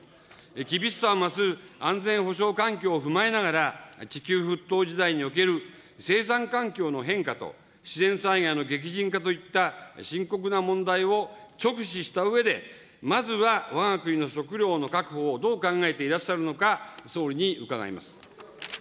厳しさを増す安全保障環境を踏まえながら、地球沸騰時代における生産環境の変化と、自然災害の激甚化といった深刻な問題を直視したうえで、まずはわが国の食料の確保をどう考えていらっしゃるのか、総理に伺います。